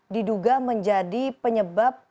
diduga menjadi penyebab